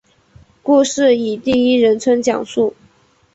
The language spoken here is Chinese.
故事以第一人称讲述。